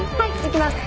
行きます。